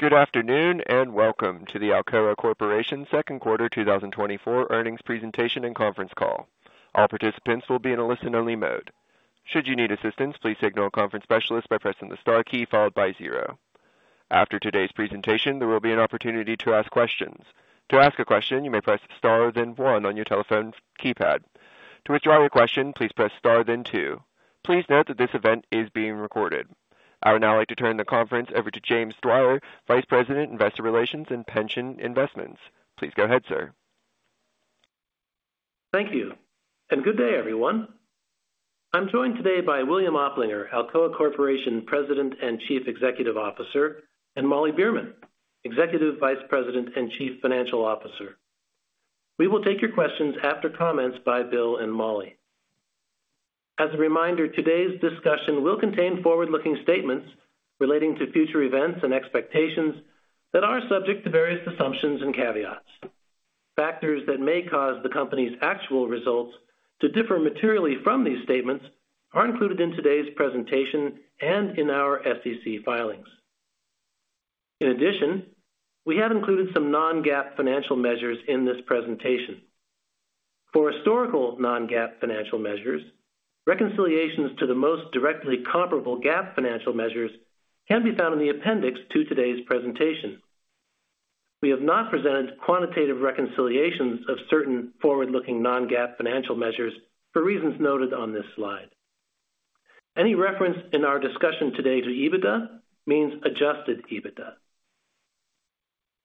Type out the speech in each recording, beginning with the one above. Good afternoon, and welcome to the Alcoa Corporation second quarter 2024 earnings presentation and conference call. All participants will be in a listen-only mode. Should you need assistance, please signal a conference specialist by pressing the star key followed by zero. After today's presentation, there will be an opportunity to ask questions. To ask a question, you may press star, then one on your telephone keypad. To withdraw your question, please press star then two. Please note that this event is being recorded. I would now like to turn the conference over to James Dwyer, Vice President, Investor Relations and Pension Investments. Please go ahead, sir. Thank you, and good day, everyone. I'm joined today by William Oplinger, Alcoa Corporation President and Chief Executive Officer, and Molly Beerman, Executive Vice President and Chief Financial Officer. We will take your questions after comments by Bill and Molly. As a reminder, today's discussion will contain forward-looking statements relating to future events and expectations that are subject to various assumptions and caveats. Factors that may cause the company's actual results to differ materially from these statements are included in today's presentation and in our SEC filings. In addition, we have included some non-GAAP financial measures in this presentation. For historical non-GAAP financial measures, reconciliations to the most directly comparable GAAP financial measures can be found in the appendix to today's presentation. We have not presented quantitative reconciliations of certain forward-looking non-GAAP financial measures for reasons noted on this slide. Any reference in our discussion today to EBITDA means Adjusted EBITDA.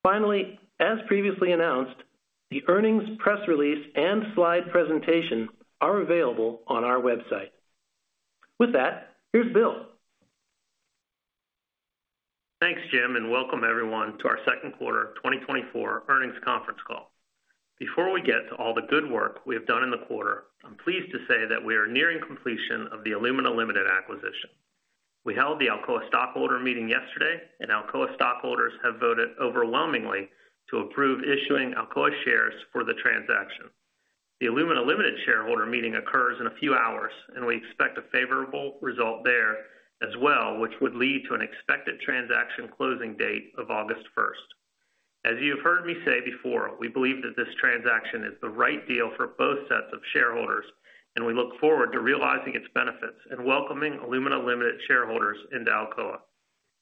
Finally, as previously announced, the earnings press release and slide presentation are available on our website. With that, here's Bill. Thanks, Jim, and welcome everyone to our second quarter 2024 earnings conference call. Before we get to all the good work we have done in the quarter, I'm pleased to say that we are nearing completion of the Alumina Limited acquisition. We held the Alcoa stockholder meeting yesterday, and Alcoa stockholders have voted overwhelmingly to approve issuing Alcoa shares for the transaction. The Alumina Limited shareholder meeting occurs in a few hours, and we expect a favorable result there as well, which would lead to an expected transaction closing date of August first. As you have heard me say before, we believe that this transaction is the right deal for both sets of shareholders, and we look forward to realizing its benefits and welcoming Alumina Limited shareholders into Alcoa.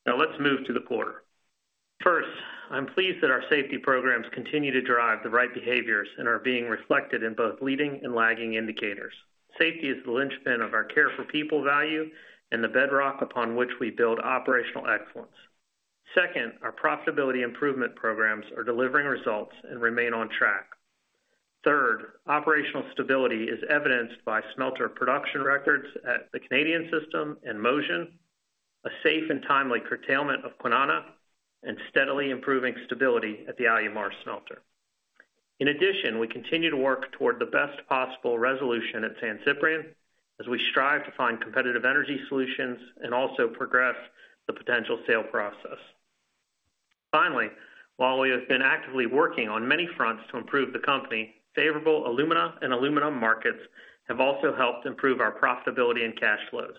Now let's move to the quarter. First, I'm pleased that our safety programs continue to drive the right behaviors and are being reflected in both leading and lagging indicators. Safety is the linchpin of our care for people value and the bedrock upon which we build operational excellence. Second, our profitability improvement programs are delivering results and remain on track. Third, operational stability is evidenced by smelter production records at the Canadian system and Mosjøen, a safe and timely curtailment of Kwinana, and steadily improving stability at the Alumar smelter. In addition, we continue to work toward the best possible resolution at San Ciprián as we strive to find competitive energy solutions and also progress the potential sale process. Finally, while we have been actively working on many fronts to improve the company, favorable alumina and aluminum markets have also helped improve our profitability and cash flows.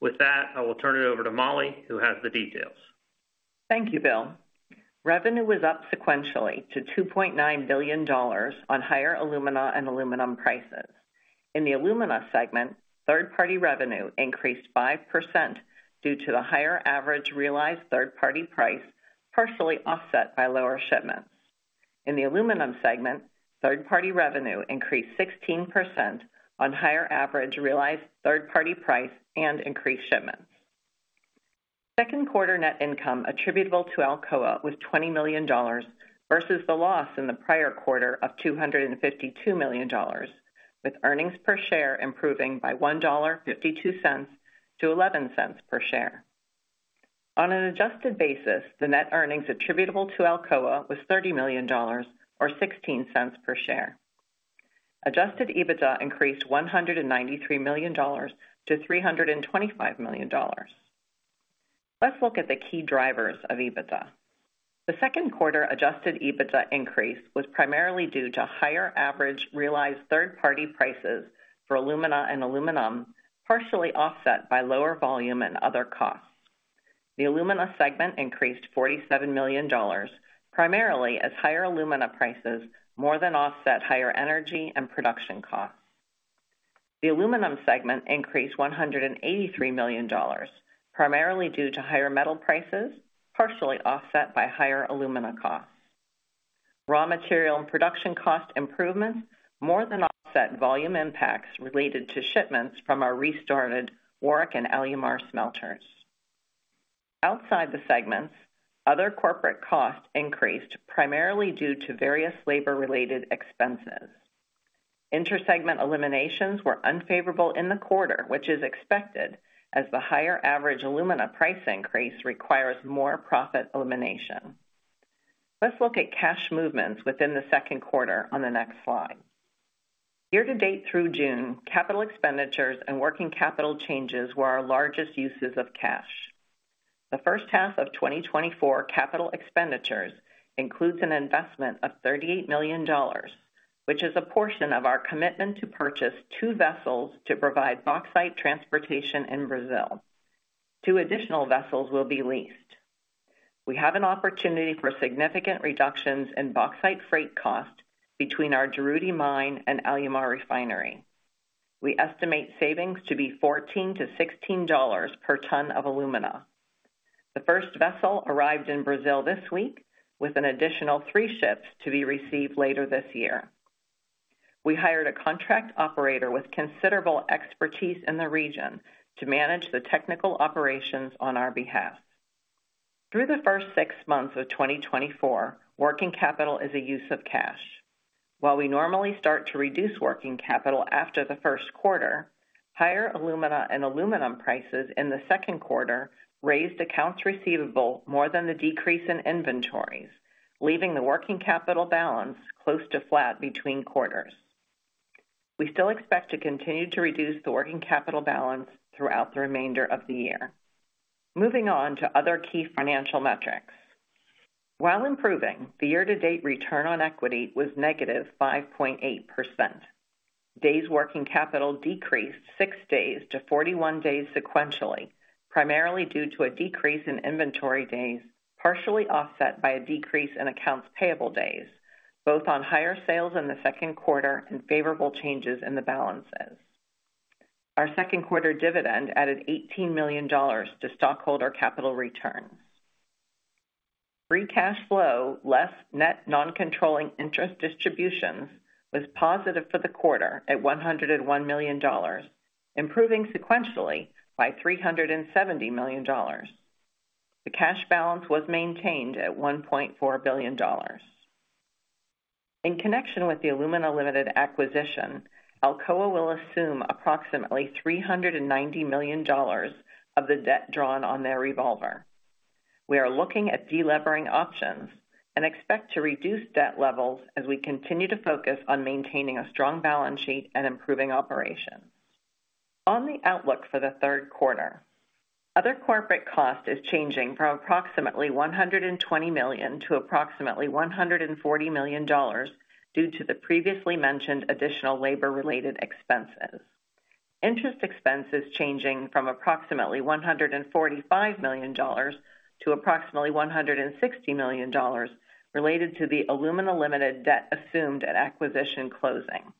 With that, I will turn it over to Molly, who has the details. Thank you, Bill. Revenue was up sequentially to $2.9 billion on higher alumina and aluminum prices. In the alumina segment, third-party revenue increased 5% due to the higher average realized third-party price, partially offset by lower shipments. In the aluminum segment, third-party revenue increased 16% on higher average realized third-party price and increased shipments. Second quarter net income attributable to Alcoa was $20 million versus the loss in the prior quarter of $252 million, with earnings per share improving by $1.52 to $0.11 per share. On an adjusted basis, the net earnings attributable to Alcoa was $30 million, or $0.16 per share. Adjusted EBITDA increased $193 million to $325 million. Let's look at the key drivers of EBITDA. The second quarter adjusted EBITDA increase was primarily due to higher average realized third-party prices for alumina and aluminum, partially offset by lower volume and other costs. The alumina segment increased $47 million, primarily as higher alumina prices more than offset higher energy and production costs. The aluminum segment increased $183 million, primarily due to higher metal prices, partially offset by higher alumina costs. Raw material and production cost improvements more than offset volume impacts related to shipments from our restarted Warrick and Alumar smelters. Outside the segments, other corporate costs increased, primarily due to various labor-related expenses. Inter-segment eliminations were unfavorable in the quarter, which is expected, as the higher average alumina price increase requires more profit elimination. Let's look at cash movements within the second quarter on the next slide. Year-to-date through June, capital expenditures and working capital changes were our largest uses of cash. The first half of 2024 capital expenditures includes an investment of $38 million, which is a portion of our commitment to purchase two vessels to provide bauxite transportation in Brazil. Two additional vessels will be leased. We have an opportunity for significant reductions in bauxite freight cost between our Juruti mine and Alumar Refinery. We estimate savings to be $14-$16 per ton of alumina. The first vessel arrived in Brazil this week, with an additional three ships to be received later this year. We hired a contract operator with considerable expertise in the region to manage the technical operations on our behalf. Through the first 6 months of 2024, working capital is a use of cash. While we normally start to reduce working capital after the first quarter, higher alumina and aluminum prices in the second quarter raised accounts receivable more than the decrease in inventories, leaving the working capital balance close to flat between quarters. We still expect to continue to reduce the working capital balance throughout the remainder of the year. Moving on to other key financial metrics. While improving, the year-to-date return on equity was negative 5.8%. Days' working capital decreased 6 days to 41 days sequentially, primarily due to a decrease in inventory days, partially offset by a decrease in accounts payable days, both on higher sales in the second quarter and favorable changes in the balances. Our second quarter dividend added $18 million to stockholder capital returns. Free cash flow, less net non-controlling interest distributions, was positive for the quarter at $101 million, improving sequentially by $370 million. The cash balance was maintained at $1.4 billion. In connection with the Alumina Limited acquisition, Alcoa will assume approximately $390 million of the debt drawn on their revolver. We are looking at deleveraging options and expect to reduce debt levels as we continue to focus on maintaining a strong balance sheet and improving operations. On the outlook for the third quarter, other corporate cost is changing from approximately $120 million to approximately $140 million due to the previously mentioned additional labor-related expenses. Interest expense is changing from approximately $145 million to approximately $160 million, related to the Alumina Limited debt assumed at acquisition closing.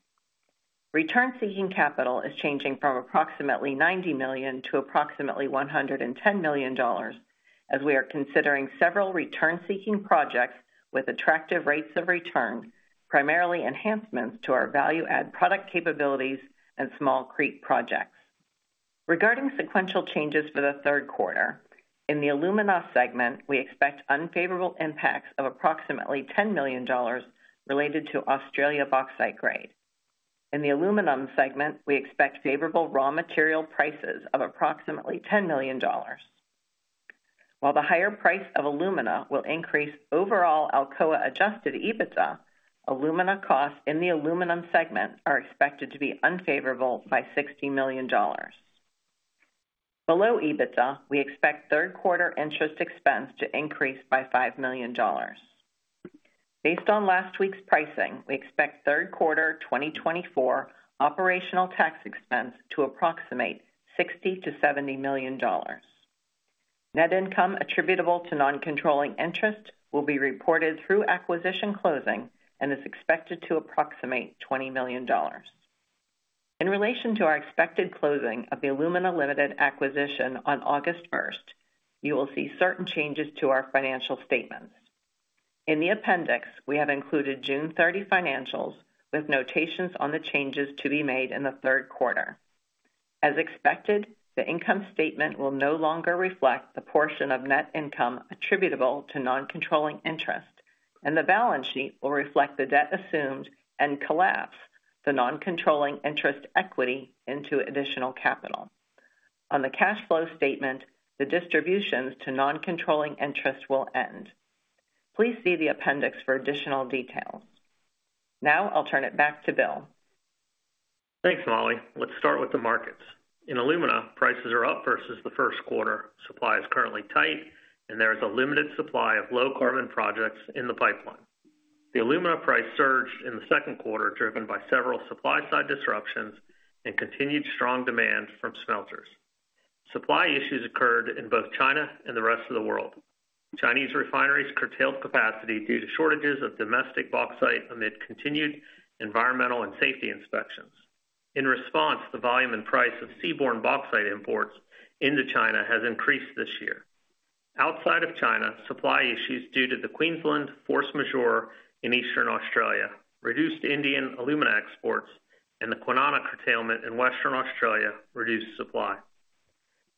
Return-seeking capital is changing from approximately $90 million to approximately $110 million, as we are considering several return-seeking projects with attractive rates of return, primarily enhancements to our value add product capabilities and small creep projects. Regarding sequential changes for the third quarter, in the Alumina segment, we expect unfavorable impacts of approximately $10 million related to Australia bauxite grade. In the Aluminum segment, we expect favorable raw material prices of approximately $10 million. While the higher price of alumina will increase overall Alcoa Adjusted EBITDA, alumina costs in the aluminum segment are expected to be unfavorable by $60 million. Below EBITDA, we expect third quarter interest expense to increase by $5 million. Based on last week's pricing, we expect third quarter 2024 operational tax expense to approximate $60 million-$70 million. Net income attributable to non-controlling interest will be reported through acquisition closing and is expected to approximate $20 million. In relation to our expected closing of the Alumina Limited acquisition on August 1, you will see certain changes to our financial statements. In the appendix, we have included June 30 financials with notations on the changes to be made in the third quarter. As expected, the income statement will no longer reflect the portion of net income attributable to non-controlling interest, and the balance sheet will reflect the debt assumed and collapse the non-controlling interest equity into additional capital. On the cash flow statement, the distributions to non-controlling interest will end. Please see the appendix for additional details. Now I'll turn it back to Bill. Thanks, Molly. Let's start with the markets. In alumina, prices are up versus the first quarter. Supply is currently tight, and there is a limited supply of low-carbon projects in the pipeline. The alumina price surged in the second quarter, driven by several supply-side disruptions and continued strong demand from smelters. Supply issues occurred in both China and the rest of the world. Chinese refineries curtailed capacity due to shortages of domestic bauxite amid continued environmental and safety inspections. In response, the volume and price of seaborne bauxite imports into China has increased this year. Outside of China, supply issues due to the Queensland force majeure in Eastern Australia, reduced Indian alumina exports and the Kwinana curtailment in Western Australia reduced supply.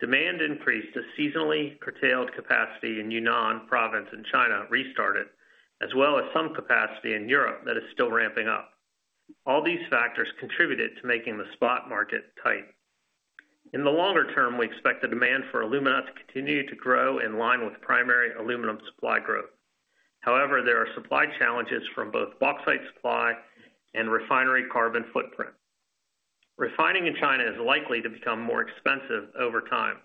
Demand increased as seasonally curtailed capacity in Yunnan province in China restarted, as well as some capacity in Europe that is still ramping up. All these factors contributed to making the spot market tight. In the longer term, we expect the demand for alumina to continue to grow in line with primary aluminum supply growth. However, there are supply challenges from both bauxite supply and refinery carbon footprint. Refining in China is likely to become more expensive over time.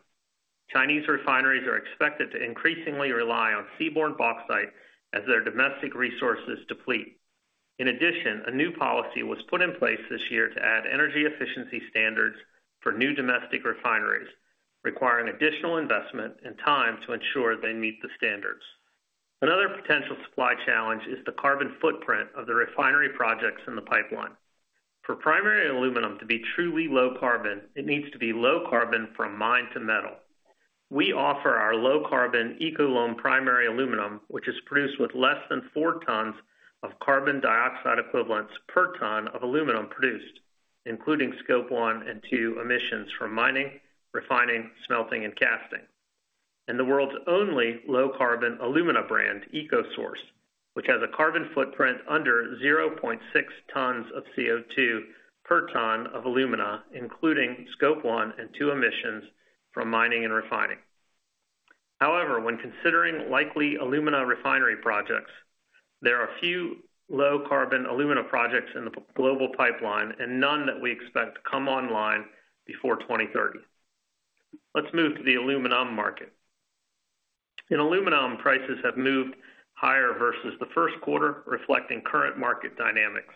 Chinese refineries are expected to increasingly rely on seaborne bauxite as their domestic resources deplete. In addition, a new policy was put in place this year to add energy efficiency standards for new domestic refineries, requiring additional investment and time to ensure they meet the standards. Another potential supply challenge is the carbon footprint of the refinery projects in the pipeline. For primary aluminum to be truly low carbon, it needs to be low carbon from mine to metal. We offer our low-carbon EcoLum primary aluminum, which is produced with less than four tons of carbon dioxide equivalents per ton of aluminum produced, including Scope 1 and 2 emissions from mining, refining, smelting, and casting, and the world's only low-carbon alumina brand, EcoSource, which has a carbon footprint under 0.6 tons of CO2 per ton of alumina, including Scope 1 and 2 emissions from mining and refining. However, when considering likely alumina refinery projects, there are few low-carbon alumina projects in the global pipeline and none that we expect to come online before 2030. Let's move to the aluminum market. In aluminum, prices have moved higher versus the first quarter, reflecting current market dynamics.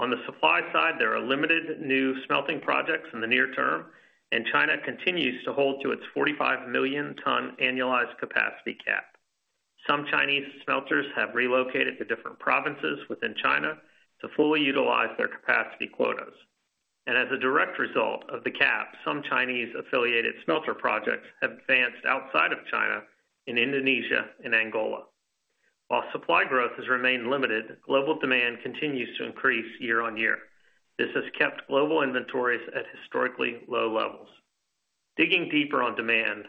On the supply side, there are limited new smelting projects in the near term, and China continues to hold to its 45 million-ton annualized capacity cap. Some Chinese smelters have relocated to different provinces within China to fully utilize their capacity quotas. As a direct result of the cap, some Chinese-affiliated smelter projects have advanced outside of China, in Indonesia and Angola. While supply growth has remained limited, global demand continues to increase year-on-year. This has kept global inventories at historically low levels. Digging deeper on demand,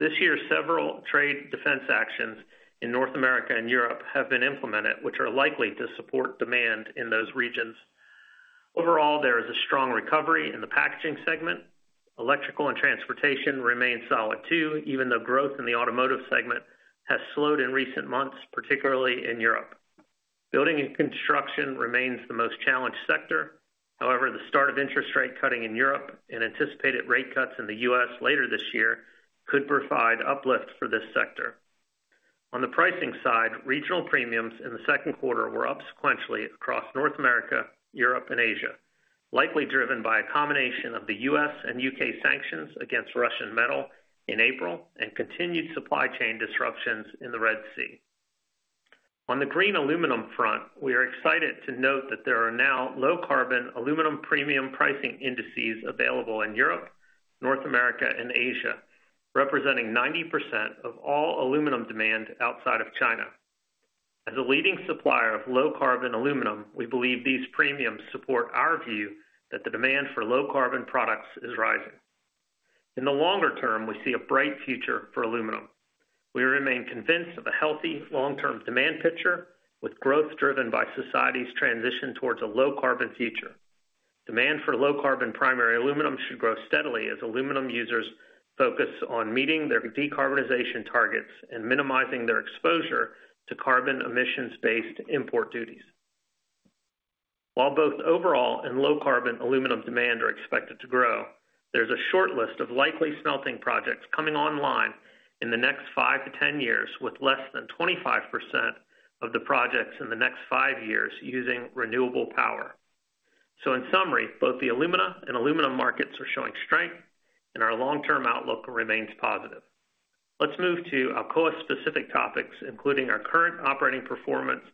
this year, several trade defense actions in North America and Europe have been implemented, which are likely to support demand in those regions. Overall, there is a strong recovery in the packaging segment. Electrical and transportation remain solid too, even though growth in the automotive segment has slowed in recent months, particularly in Europe. Building and construction remains the most challenged sector. However, the start of interest rate cutting in Europe and anticipated rate cuts in the U.S. later this year could provide uplifts for this sector. On the pricing side, regional premiums in the second quarter were up sequentially across North America, Europe, and Asia, likely driven by a combination of the U.S. and U.K. sanctions against Russian metal in April and continued supply chain disruptions in the Red Sea. On the green aluminum front, we are excited to note that there are now low-carbon aluminum premium pricing indices available in Europe, North America, and Asia, representing 90% of all aluminum demand outside of China. As a leading supplier of low-carbon aluminum, we believe these premiums support our view that the demand for low-carbon products is rising. In the longer term, we see a bright future for aluminum. We remain convinced of a healthy, long-term demand picture, with growth driven by society's transition towards a low-carbon future. Demand for low-carbon primary aluminum should grow steadily as aluminum users focus on meeting their decarbonization targets and minimizing their exposure to carbon emissions-based import duties. While both overall and low-carbon aluminum demand are expected to grow, there's a short list of likely smelting projects coming online in the next five to 10 years, with less than 25% of the projects in the next five years using renewable power. So in summary, both the alumina and aluminum markets are showing strength, and our long-term outlook remains positive. Let's move to Alcoa-specific topics, including our current operating performance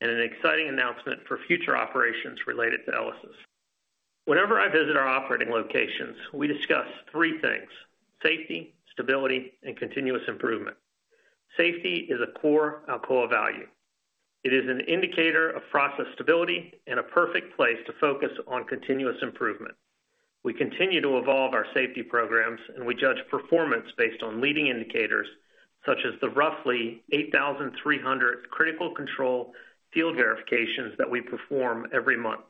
and an exciting announcement for future operations related to ELYSIS. Whenever I visit our operating locations, we discuss three things: safety, stability, and continuous improvement. Safety is a core Alcoa value. It is an indicator of process stability and a perfect place to focus on continuous improvement. We continue to evolve our safety programs, and we judge performance based on leading indicators, such as the roughly 8,300 critical control field verifications that we perform every month.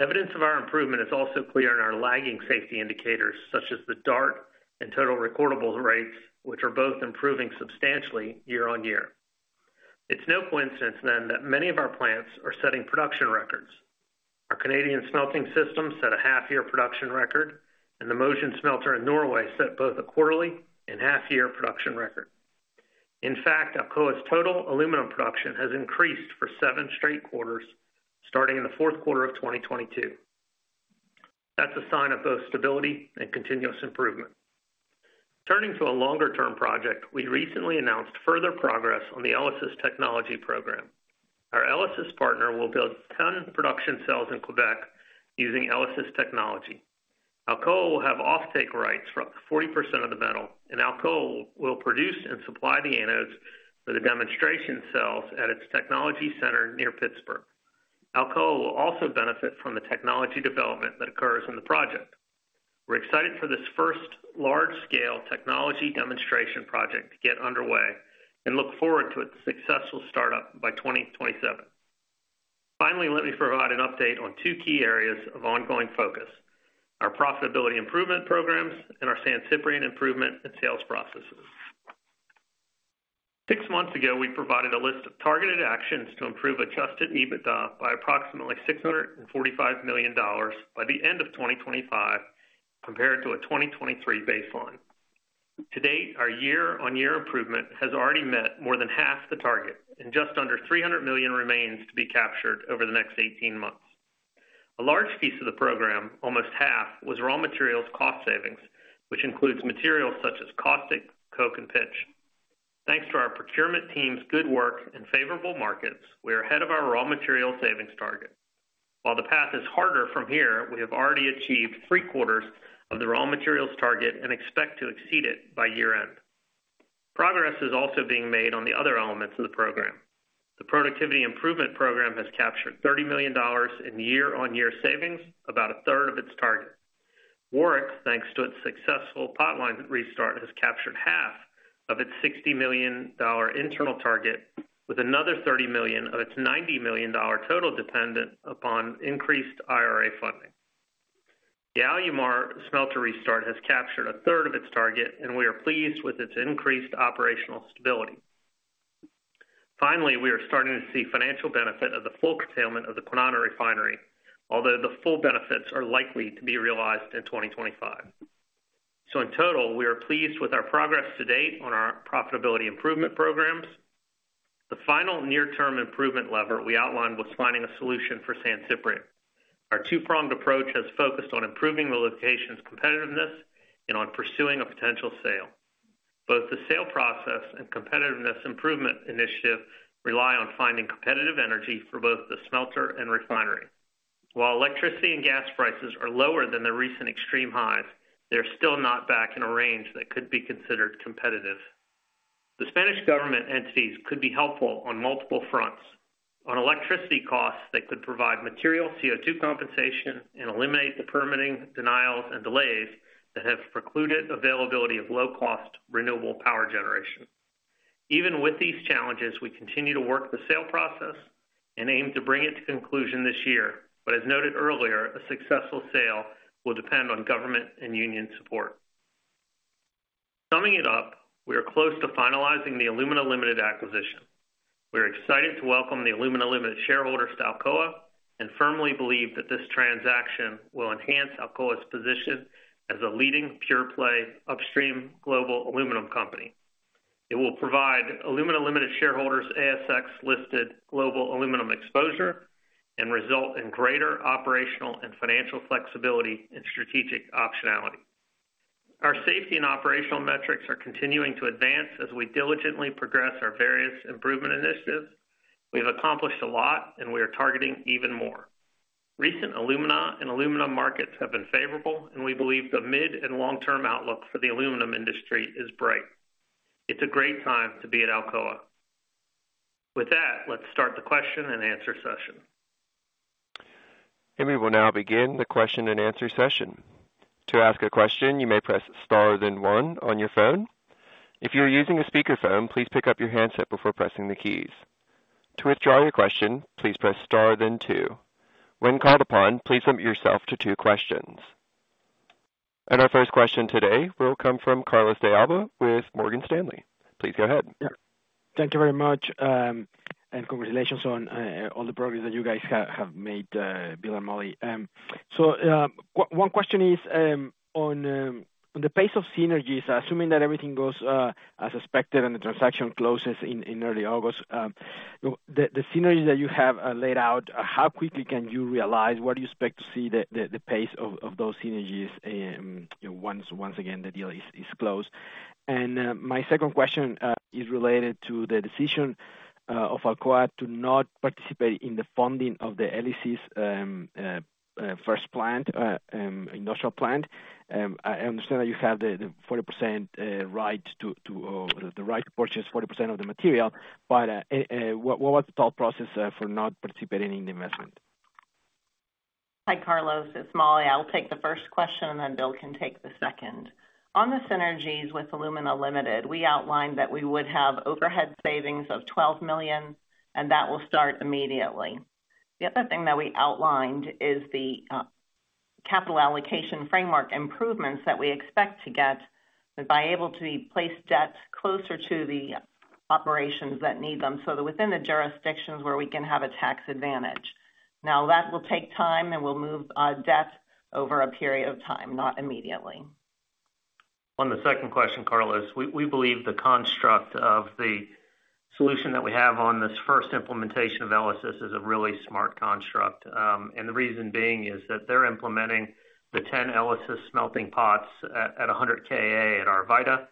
Evidence of our improvement is also clear in our lagging safety indicators, such as the DART and total recordable rates, which are both improving substantially year-over-year. It's no coincidence, then, that many of our plants are setting production records. Our Canadian smelting system set a half-year production record, and the Mosjøen smelter in Norway set both a quarterly and half-year production record. In fact, Alcoa's total aluminum production has increased for seven straight quarters, starting in the fourth quarter of 2022. That's a sign of both stability and continuous improvement. Turning to a longer-term project, we recently announced further progress on the ELYSIS Technology Program. Our ELYSIS partner will build ten production cells in Quebec using ELYSIS Technology. Alcoa will have offtake rights for up to 40% of the metal, and Alcoa will produce and supply the anodes for the demonstration cells at its technology center near Pittsburgh. Alcoa will also benefit from the technology development that occurs in the project. We're excited for this first large-scale technology demonstration project to get underway and look forward to its successful startup by 2027. Finally, let me provide an update on two key areas of ongoing focus: our profitability improvement programs and our San Ciprián improvement and sales processes. Six months ago, we provided a list of targeted actions to improve adjusted EBITDA by approximately $645 million by the end of 2025, compared to a 2023 baseline. To date, our year-over-year improvement has already met more than half the target, and just under $300 million remains to be captured over the next 18 months. A large piece of the program, almost half, was raw materials cost savings, which includes materials such as caustic, coke, and pitch. Thanks to our procurement team's good work and favorable markets, we are ahead of our raw material savings target. While the path is harder from here, we have already achieved three-quarters of the raw materials target and expect to exceed it by year-end. Progress is also being made on the other elements of the program. The productivity improvement program has captured $30 million in year-over-year savings, about a third of its target. Warrick, thanks to its successful potline restart, has captured half of its $60 million internal target, with another $30 million of its $90 million total dependent upon increased IRA funding. The Alumar smelter restart has captured a third of its target, and we are pleased with its increased operational stability. Finally, we are starting to see financial benefit of the full curtailment of the Kwinana Refinery, although the full benefits are likely to be realized in 2025. So in total, we are pleased with our progress to date on our profitability improvement programs. The final near-term improvement lever we outlined was finding a solution for San Ciprián. Our two-pronged approach has focused on improving the location's competitiveness and on pursuing a potential sale. Both the sale process and competitiveness improvement initiative rely on finding competitive energy for both the smelter and refinery. While electricity and gas prices are lower than the recent extreme highs, they're still not back in a range that could be considered competitive. The Spanish government entities could be helpful on multiple fronts. On electricity costs, they could provide material CO2 compensation and eliminate the permitting denials and delays that have precluded availability of low-cost, renewable power generation. Even with these challenges, we continue to work the sale process and aim to bring it to conclusion this year. But as noted earlier, a successful sale will depend on government and union support. Summing it up, we are close to finalizing the Alumina Limited acquisition. We are excited to welcome the Alumina Limited shareholders to Alcoa, and firmly believe that this transaction will enhance Alcoa's position as a leading pure-play upstream global aluminum company. It will provide Alumina Limited shareholders ASX-listed global aluminum exposure and result in greater operational and financial flexibility and strategic optionality. Our safety and operational metrics are continuing to advance as we diligently progress our various improvement initiatives. We have accomplished a lot, and we are targeting even more. Recent alumina and aluminum markets have been favorable, and we believe the mid- and long-term outlook for the aluminum industry is bright. It's a great time to be at Alcoa. With that, let's start the question-and-answer session. We will now begin the question-and-answer session. To ask a question, you may press star, then one on your phone. If you are using a speakerphone, please pick up your handset before pressing the keys. To withdraw your question, please press star, then two. When called upon, please limit yourself to two questions. Our first question today will come from Carlos De Alba with Morgan Stanley. Please go ahead. Thank you very much, and congratulations on the progress that you guys have made, Bill and Molly. So, one question is on the pace of synergies, assuming that everything goes as expected, and the transaction closes in early August, the synergies that you have laid out, how quickly can you realize? What do you expect to see the pace of those synergies once again the deal is closed? And my second question is related to the decision of Alcoa to not participate in the funding of the ELYSIS first industrial plant. I understand that you have the 40% right to purchase 40% of the material, but what was the thought process for not participating in the investment? Hi, Carlos, it's Molly. I'll take the first question, and then Bill can take the second. On the synergies with Alumina Limited, we outlined that we would have overhead savings of $12 million, and that will start immediately. The other thing that we outlined is the capital allocation framework improvements that we expect to get by able to place debts closer to the operations that need them, so within the jurisdictions where we can have a tax advantage. Now, that will take time, and we'll move debt over a period of time, not immediately. On the second question, Carlos, we, we believe the construct of the solution that we have on this first implementation of ELYSIS is a really smart construct. And the reason being is that they're implementing the 10 ELYSIS smelting pots at 100 kA at Arvida.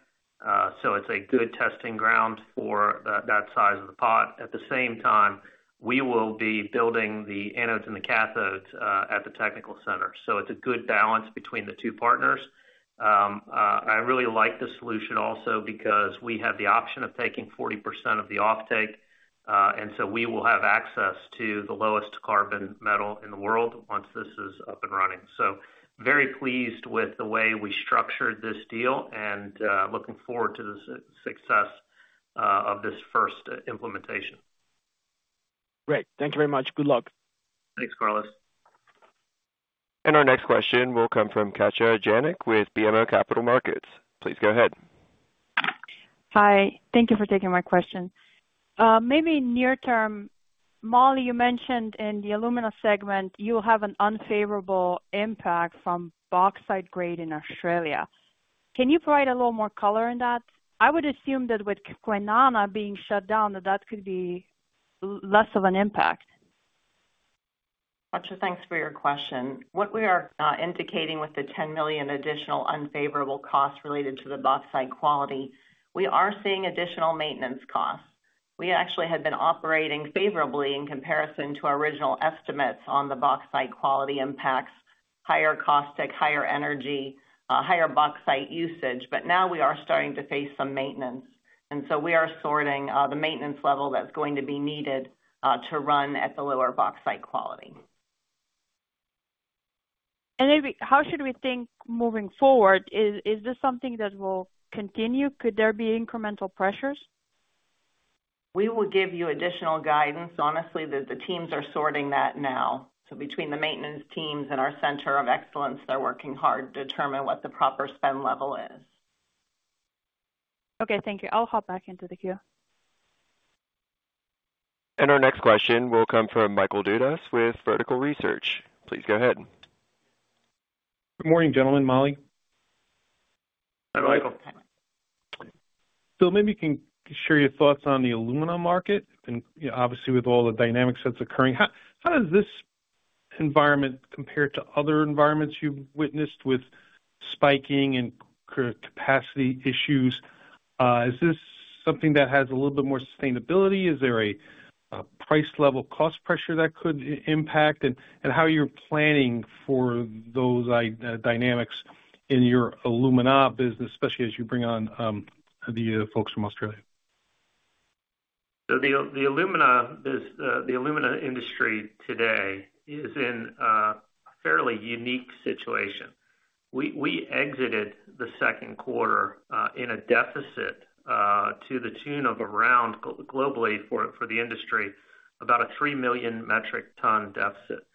So it's a good testing ground for that, that size of the pot. At the same time, we will be building the anodes and the cathodes at the technical center. So it's a good balance between the two partners. I really like this solution also because we have the option of taking 40% of the offtake, and so we will have access to the lowest carbon metal in the world once this is up and running. So very pleased with the way we structured this deal, and looking forward to the success of this first implementation. Great. Thank you very much. Good luck. Thanks, Carlos. Our next question will come from Katja Jancic with BMO Capital Markets. Please go ahead. Hi. Thank you for taking my question. Maybe near term, Molly, you mentioned in the alumina segment, you have an unfavorable impact from bauxite grade in Australia. Can you provide a little more color in that? I would assume that with Kwinana being shut down, that could be less of an impact. Katja, thanks for your question. What we are indicating with the $10 million additional unfavorable costs related to the bauxite quality, we are seeing additional maintenance costs. We actually had been operating favorably in comparison to our original estimates on the bauxite quality impacts, higher caustic, higher energy, higher bauxite usage, but now we are starting to face some maintenance, and so we are sorting the maintenance level that's going to be needed to run at the lower bauxite quality. Maybe how should we think moving forward, is this something that will continue? Could there be incremental pressures? We will give you additional guidance. Honestly, the teams are sorting that now. So between the maintenance teams and our center of excellence, they're working hard to determine what the proper spend level is. Okay, thank you. I'll hop back into the queue. Our next question will come from Michael Dudas with Vertical Research. Please go ahead. Good morning, gentlemen, Molly. Hi, Michael. So maybe you can share your thoughts on the alumina market. And, you know, obviously, with all the dynamics that's occurring, how does this environment compare to other environments you've witnessed with spiking and capacity issues? Is this something that has a little bit more sustainability? Is there a price-level cost pressure that could impact, and how you're planning for those dynamics in your alumina business, especially as you bring on the folks from Australia? So the alumina business, the alumina industry today is in a fairly unique situation. We exited the second quarter in a deficit to the tune of around globally for the industry about a 3 million metric ton deficit.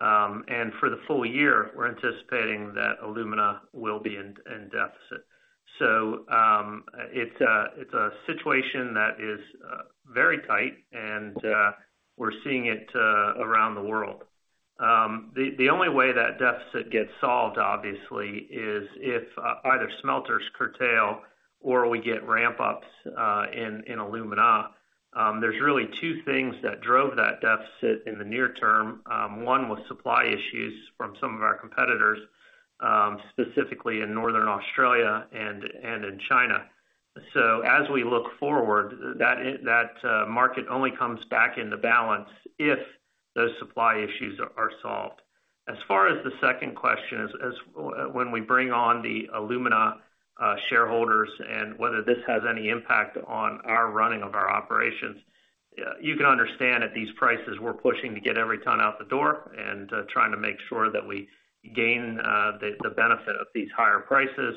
And for the full year, we're anticipating that alumina will be in deficit. So it's a situation that is very tight, and we're seeing it around the world. The only way that deficit gets solved, obviously, is if either smelters curtail or we get ramp-ups in alumina. There's really two things that drove that deficit in the near term. One was supply issues from some of our competitors, specifically in Northern Australia and in China. So as we look forward, that market only comes back into balance if those supply issues are solved. As far as the second question is, when we bring on the alumina, shareholders and whether this has any impact on our running of our operations, you can understand at these prices, we're pushing to get every ton out the door and trying to make sure that we gain the benefit of these higher prices.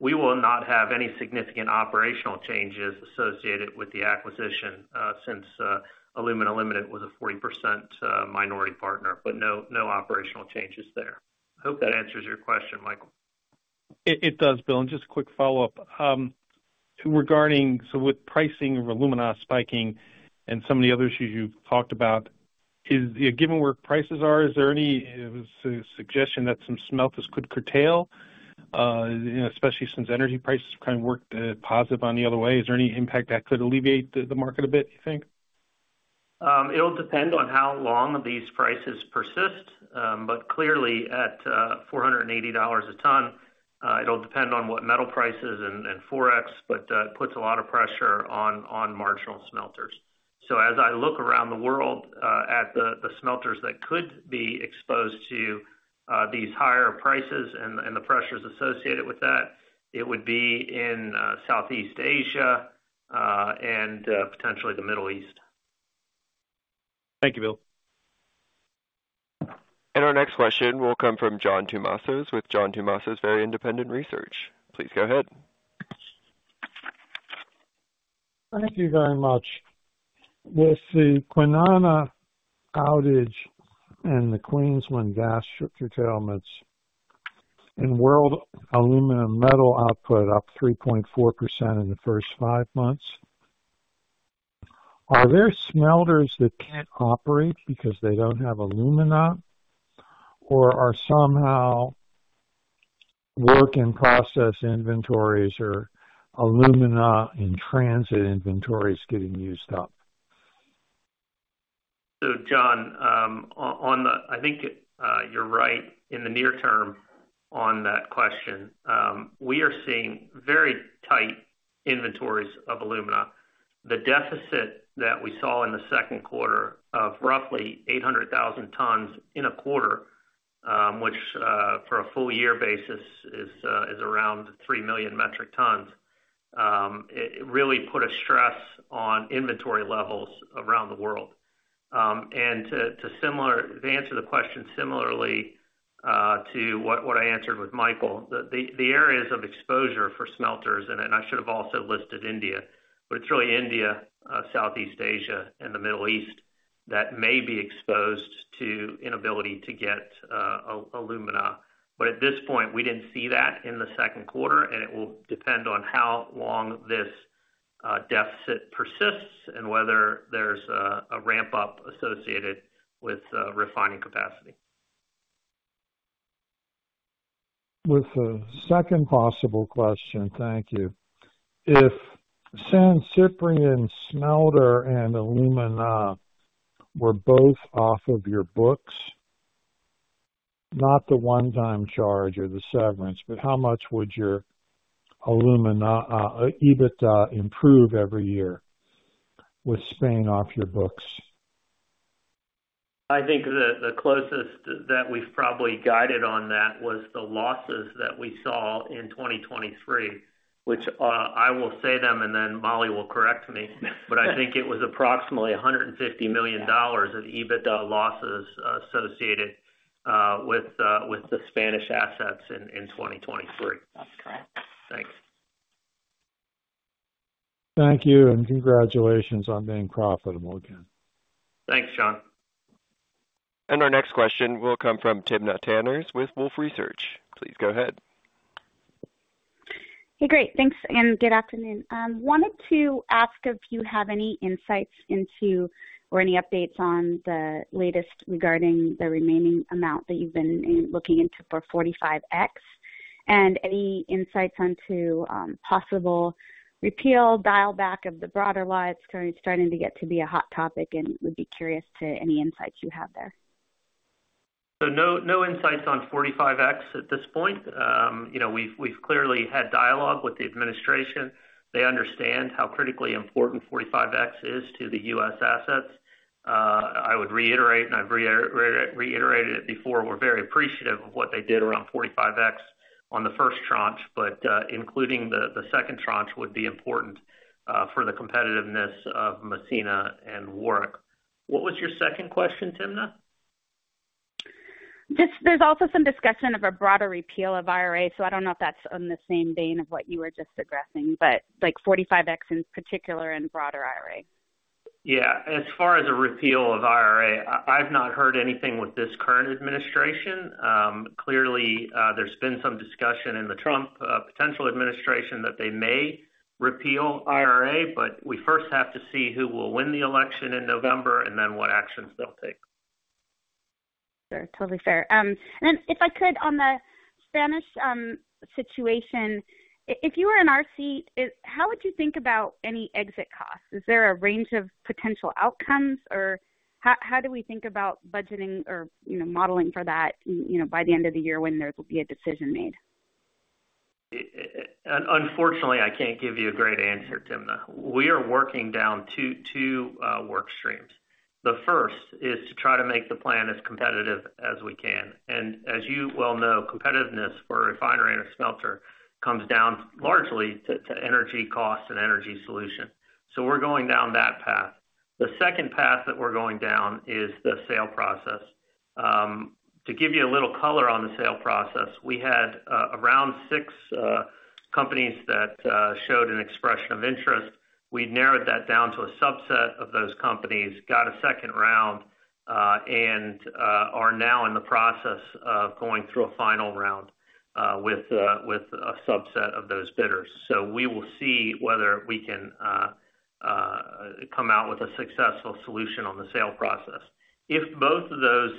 We will not have any significant operational changes associated with the acquisition, since Alumina Limited was a 40% minority partner, but no operational changes there. I hope that answers your question, Michael. It does, Bill. And just a quick follow-up. Regarding, so with pricing of alumina spiking and some of the other issues you've talked about, given where prices are, is there any suggestion that some smelters could curtail? Especially since energy prices kind of worked positive on the other way. Is there any impact that could alleviate the market a bit, you think? It'll depend on how long these prices persist, but clearly, at $480 a ton, it'll depend on what metal prices and Forex, but it puts a lot of pressure on marginal smelters. So as I look around the world, at the smelters that could be exposed to these higher prices and the pressures associated with that, it would be in Southeast Asia, and potentially the Middle East. Thank you, Bill. Our next question will come from John Tumazos, with John Tumazos Very Independent Research. Please go ahead. Thank you very much. With the Kwinana outage and the Queensland gas strip curtailments and world aluminum metal output up 3.4% in the first five months, are there smelters that can't operate because they don't have alumina? Or are somehow work in process inventories or alumina in transit inventories getting used up? So, John, I think you're right in the near term on that question. We are seeing very tight inventories of alumina. The deficit that we saw in the second quarter of roughly 800,000 tons in a quarter, which, for a full year basis is around 3 million metric tons. It really put a stress on inventory levels around the world. And to answer the question similarly, to what I answered with Michael, the areas of exposure for smelters, and I should have also listed India, but it's really India, Southeast Asia and the Middle East that may be exposed to inability to get alumina. But at this point, we didn't see that in the second quarter, and it will depend on how long this deficit persists and whether there's a ramp-up associated with refining capacity. With the second possible question. Thank you. If San Ciprián Smelter and Alumina were both off of your books, not the one-time charge or the severance, but how much would your alumina EBITDA improve every year with Spain off your books? I think the closest that we've probably guided on that was the losses that we saw in 2023, which, I will say them, and then Molly will correct me. But I think it was approximately $150 million- Yes. Of EBITDA losses associated with the Spanish assets in 2023. That's correct. Thanks. Thank you, and congratulations on being profitable again. Thanks, John. Our next question will come from Timna Tanners with Wolfe Research. Please go ahead. Hey, great. Thanks, and good afternoon. Wanted to ask if you have any insights into, or any updates on the latest regarding the remaining amount that you've been looking into for 45X, and any insights into, possible repeal, dial back of the broader law? It's starting to get to be a hot topic, and would be curious to any insights you have there. So no, no insights on 45X at this point. You know, we've clearly had dialogue with the administration. They understand how critically important 45X is to the U.S. assets. I would reiterate, and I've reiterated it before, we're very appreciative of what they did around 45X on the first tranche, but including the second tranche would be important for the competitiveness of Massena and Warrick. What was your second question, Timna? Just, there's also some discussion of a broader repeal of IRA, so I don't know if that's in the same vein of what you were just addressing, but like 45X in particular and broader IRA. Yeah. As far as a repeal of IRA, I've not heard anything with this current administration. Clearly, there's been some discussion in the Trump potential administration that they may repeal IRA, but we first have to see who will win the election in November and then what actions they'll take. Sure. Totally fair. And then if I could, on the Spanish situation, if you were in our seat, how would you think about any exit costs? Is there a range of potential outcomes, or how do we think about budgeting or, you know, modeling for that, you know, by the end of the year when there will be a decision made? Unfortunately, I can't give you a great answer, Timna. We are working down two work streams. The first is to try to make the plant as competitive as we can. And as you well know, competitiveness for a refinery and a smelter comes down largely to energy costs and energy solution. So we're going down that path. The second path that we're going down is the sale process. To give you a little color on the sale process, we had around six companies that showed an expression of interest. We narrowed that down to a subset of those companies, got a second round, and are now in the process of going through a final round with a subset of those bidders. So we will see whether we can come out with a successful solution on the sale process. If both of those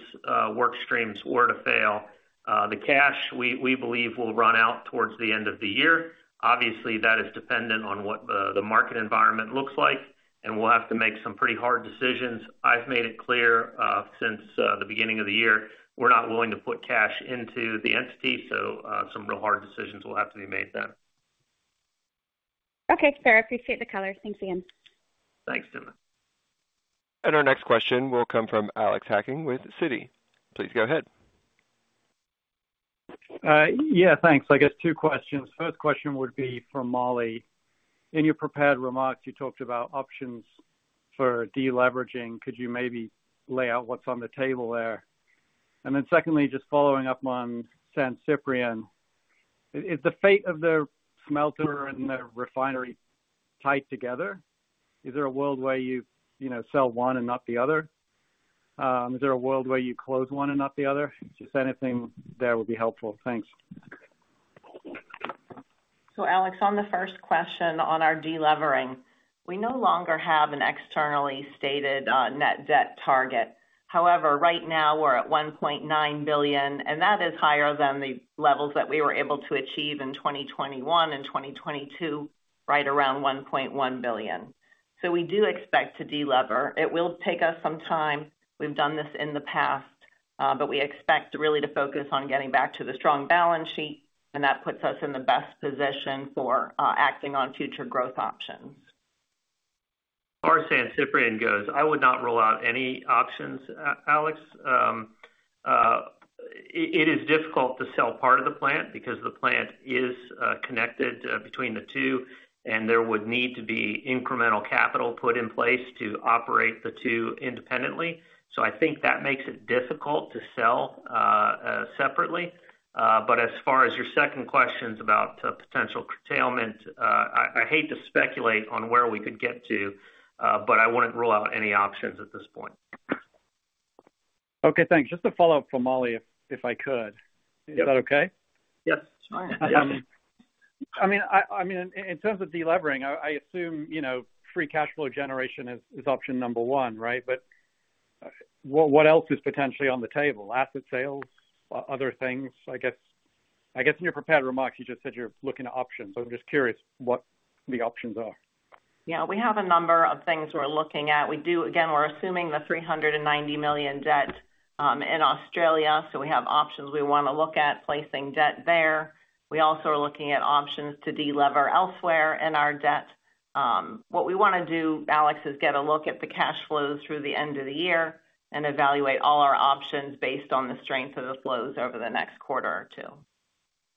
work streams were to fail, the cash, we believe, will run out towards the end of the year. Obviously, that is dependent on what the market environment looks like, and we'll have to make some pretty hard decisions. I've made it clear since the beginning of the year, we're not willing to put cash into the entity, so some real hard decisions will have to be made then. Okay, fair. I appreciate the color. Thanks, again. Thanks, Timna. And our next question will come from Alex Hacking with Citi. Please go ahead. Yeah, thanks. I guess two questions. First question would be for Molly. In your prepared remarks, you talked about options for deleveraging. Could you maybe lay out what's on the table there? And then secondly, just following up on San Ciprián, is the fate of the smelter and the refinery tied together? Is there a world where you, you know, sell one and not the other? Is there a world where you close one and not the other? Just anything there would be helpful. Thanks. So, Alex, on the first question on our deleveraging, we no longer have an externally stated, net debt target. However, right now we're at $1.9 billion, and that is higher than the levels that we were able to achieve in 2021 and 2022, right around $1.1 billion. So we do expect to deliver. It will take us some time. We've done this in the past, but we expect really to focus on getting back to the strong balance sheet, and that puts us in the best position for acting on future growth options. As far as San Ciprián goes, I would not rule out any options, Alex. It is difficult to sell part of the plant because the plant is connected between the two, and there would need to be incremental capital put in place to operate the two independently. So I think that makes it difficult to sell separately. But as far as your second questions about potential curtailment, I hate to speculate on where we could get to, but I wouldn't rule out any options at this point. Okay, thanks. Just a follow-up for Molly, if I could. Is that okay? Yes, sure. Yeah. I mean, in terms of deleveraging, I assume, you know, free cash flow generation is option number one, right? But, what else is potentially on the table? Asset sales, other things? I guess in your prepared remarks, you just said you're looking at options, so I'm just curious what the options are. Yeah, we have a number of things we're looking at. We do. Again, we're assuming the $390 million debt in Australia, so we have options we want to look at placing debt there. We also are looking at options to delever elsewhere in our debt. What we want to do, Alex, is get a look at the cash flows through the end of the year and evaluate all our options based on the strength of the flows over the next quarter or two.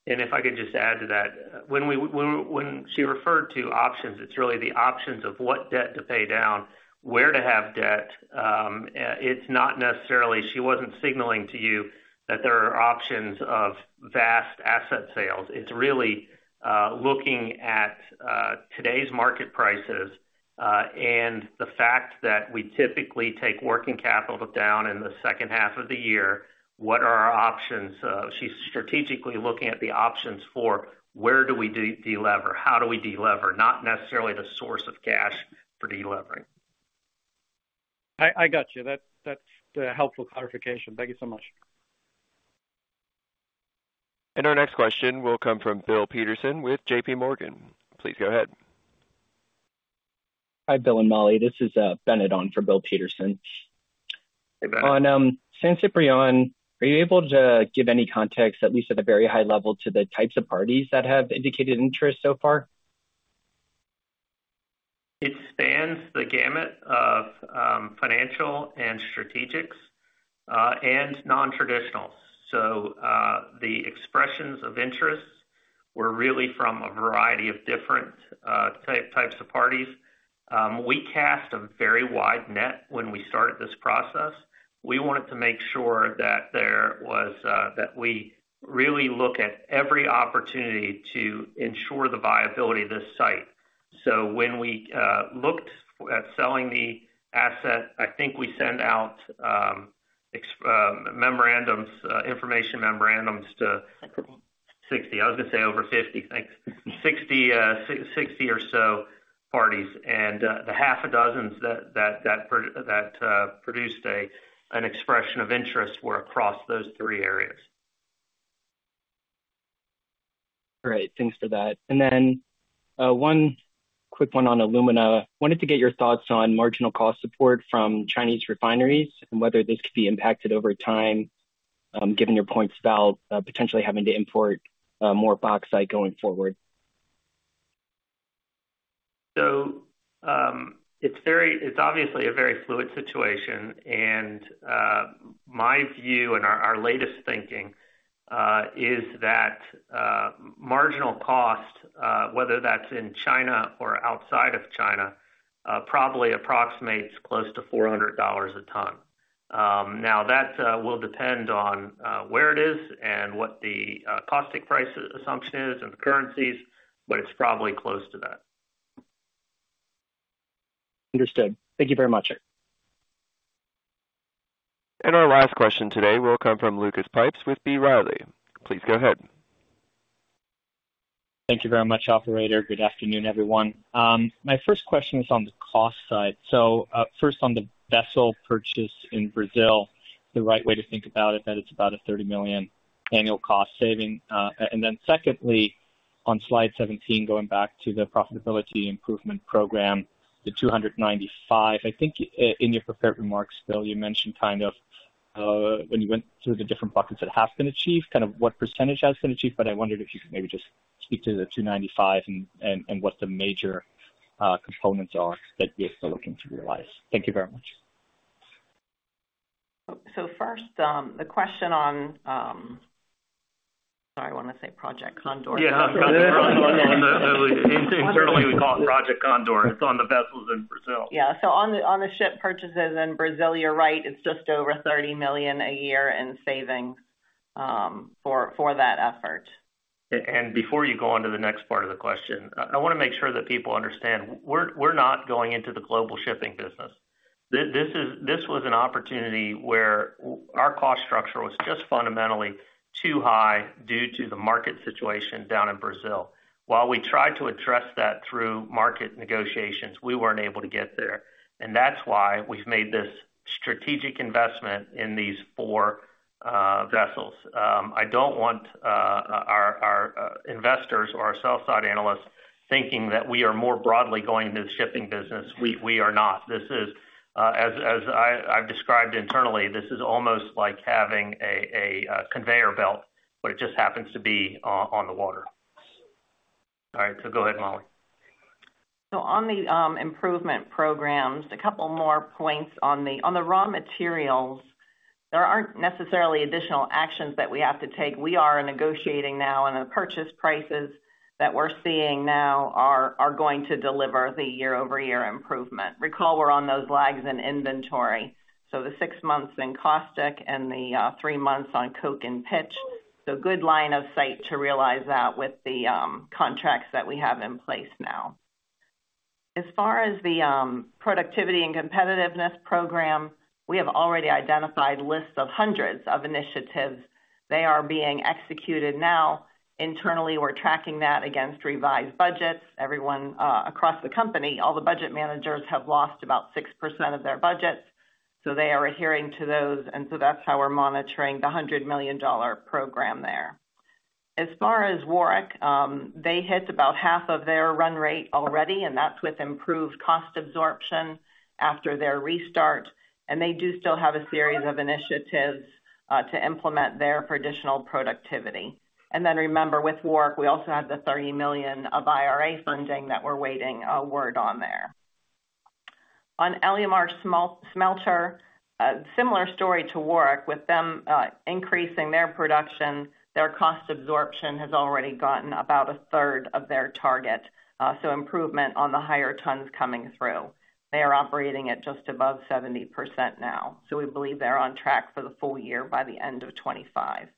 And if I could just add to that, when she referred to options, it's really the options of what debt to pay down, where to have debt. It's not necessarily... She wasn't signaling to you that there are options of vast asset sales. It's really looking at today's market prices, and the fact that we typically take working capital down in the second half of the year. What are our options? She's strategically looking at the options for where do we delever? How do we delever? Not necessarily the source of cash for delevering. I got you. That's a helpful clarification. Thank you so much. Our next question will come from Bill Peterson with JP Morgan. Please go ahead. Hi, Bill and Molly. This is Bennett on for Bill Peterson. Hey, Bennett. On San Ciprián, are you able to give any context, at least at a very high level, to the types of parties that have indicated interest so far? It spans the gamut of financial and strategic, and non-traditional. So, the expressions of interest were really from a variety of different types of parties. We cast a very wide net when we started this process. We wanted to make sure that there was that we really look at every opportunity to ensure the viability of this site. So when we looked at selling the asset, I think we sent out information memorandums to 60. I was gonna say over 50. Thanks. 60 or so parties, and the half a dozen that produced an expression of interest were across those three areas. All right, thanks for that. And then one quick one on alumina. Wanted to get your thoughts on marginal cost support from Chinese refineries and whether this could be impacted over time, given your points about potentially having to import more bauxite going forward. It's very. It's obviously a very fluid situation, and my view and our latest thinking is that marginal cost, whether that's in China or outside of China, probably approximates close to $400 a ton. Now, that will depend on where it is and what the caustic price assumption is and the currencies, but it's probably close to that. Understood. Thank you very much. Our last question today will come from Lucas Pipes with B Riley. Please go ahead. Thank you very much, operator. Good afternoon, everyone. My first question is on the cost side. So, first on the vessel purchase in Brazil, the right way to think about it, that it's about a $30 million annual cost saving. And then secondly, on slide 17, going back to the profitability improvement program, the 295. I think in your prepared remarks, Bill, you mentioned kind of, when you went through the different buckets that have been achieved, kind of what percentage has been achieved, but I wondered if you could maybe just speak to the 295 and what the major components are that you're still looking to realize. Thank you very much. So first, the question on. Sorry, I want to say Project Condor. Yeah. Project Condor. Internally, we call it Project Condor. It's on the vessels in Brazil. Yeah. So on the ship purchases in Brazil, you're right, it's just over $30 million a year in savings for that effort. And before you go on to the next part of the question, I want to make sure that people understand, we're not going into the global shipping business. This was an opportunity where our cost structure was just fundamentally too high due to the market situation down in Brazil. While we tried to address that through market negotiations, we weren't able to get there, and that's why we've made this strategic investment in these 4 vessels. I don't want our investors or our sell-side analysts thinking that we are more broadly going into the shipping business. We are not. This is, as I've described internally, this is almost like having a conveyor belt, but it just happens to be on the water. All right, so go ahead, Molly. So on the improvement programs, a couple more points on the raw materials, there aren't necessarily additional actions that we have to take. We are negotiating now, and the purchase prices that we're seeing now are going to deliver the year-over-year improvement. Recall, we're on those lags in inventory, so the six months in caustic and the three months on coke and pitch. So good line of sight to realize that with the contracts that we have in place now. As far as the productivity and competitiveness program, we have already identified lists of hundreds of initiatives. They are being executed now. Internally, we're tracking that against revised budgets. Everyone across the company, all the budget managers have lost about 6% of their budgets, so they are adhering to those, and so that's how we're monitoring the $100 million program there. As far as Warrick, they hit about half of their run rate already, and that's with improved cost absorption after their restart. And they do still have a series of initiatives to implement there for additional productivity. And then remember, with Warrick, we also have the $30 million of IRA funding that we're waiting word on there. On Alumar smelter, similar story to Warrick. With them increasing their production, their cost absorption has already gotten about a third of their target. So improvement on the higher tons coming through. They are operating at just above 70% now, so we believe they're on track for the full year by the end of 2025.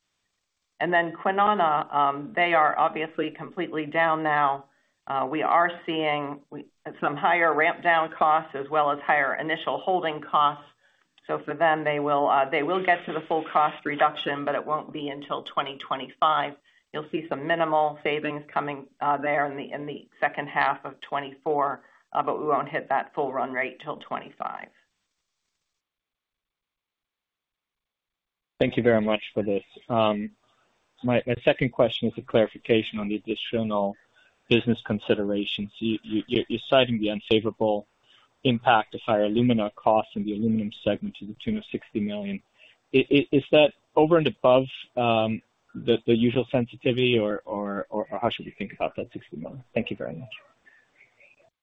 And then Kwinana, they are obviously completely down now. We are seeing some higher ramp-down costs as well as higher initial holding costs. So for them, they will, they will get to the full cost reduction, but it won't be until 2025. You'll see some minimal savings coming there in the second half of 2024, but we won't hit that full run rate till 2025. Thank you very much for this. My second question is a clarification on the additional business considerations. You're citing the unfavorable impact of higher alumina costs in the aluminum segment to the tune of $60 million. Is that over and above the usual sensitivity, or how should we think about that $60 million? Thank you very much.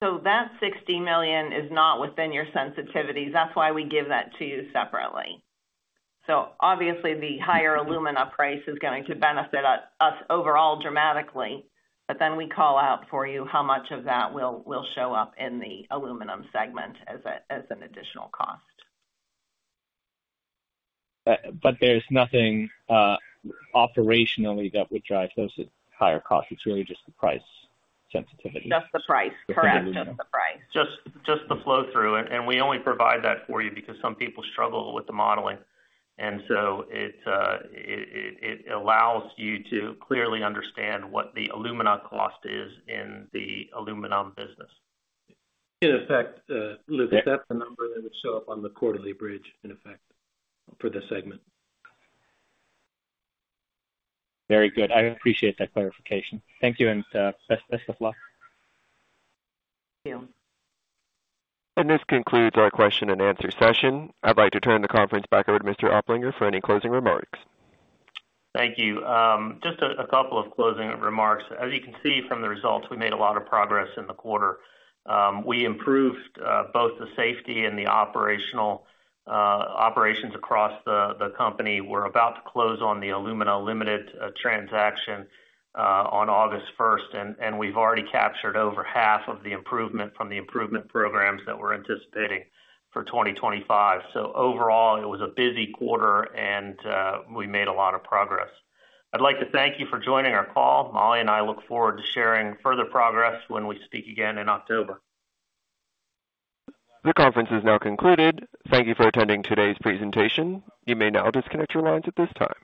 So that $60 million is not within your sensitivity. That's why we give that to you separately. So obviously, the higher alumina price is going to benefit us, us overall dramatically, but then we call out for you how much of that will, will show up in the aluminum segment as a, as an additional cost. But there's nothing operationally that would drive those higher costs. It's really just the price sensitivity. Just the price. Correct, just the price. Just the flow-through, and we only provide that for you because some people struggle with the modeling. And so it allows you to clearly understand what the alumina cost is in the aluminum business. In effect, Luke, that's the number that would show up on the quarterly bridge, in effect, for the segment. Very good. I appreciate that clarification. Thank you, and best of luck. Thank you. This concludes our question-and-answer session. I'd like to turn the conference back over to Mr. Oplinger for any closing remarks. Thank you. Just a couple of closing remarks. As you can see from the results, we made a lot of progress in the quarter. We improved both the safety and the operational operations across the company. We're about to close on the Alumina Limited transaction on August first, and we've already captured over half of the improvement from the improvement programs that we're anticipating for 2025. So overall, it was a busy quarter, and we made a lot of progress. I'd like to thank you for joining our call. Molly and I look forward to sharing further progress when we speak again in October. The conference is now concluded. Thank you for attending today's presentation. You may now disconnect your lines at this time.